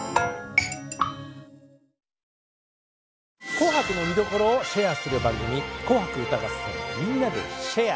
「紅白」の見どころをシェアする番組「紅白歌合戦＃みんなでシェア！」。